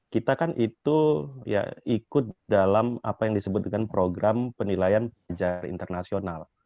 kita kan itu ya ikut dalam apa yang disebut dengan program penilaian sejarah internasional